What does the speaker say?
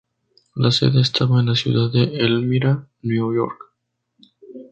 La sede estaba en la ciudad de Elmira, Nueva York.